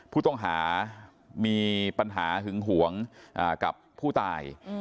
พูดต้องหามีปัญหาหึงหวงอ่ากับพูดตาย